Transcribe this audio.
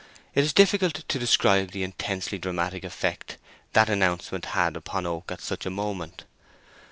It is difficult to describe the intensely dramatic effect that announcement had upon Oak at such a moment.